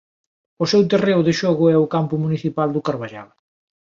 O seu terreo de xogo é o Campo Municipal do Carballal.